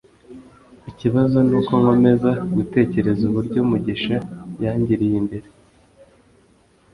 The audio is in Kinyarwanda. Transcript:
ikibazo nuko nkomeza gutekereza uburyo mugisha yangiriye mbere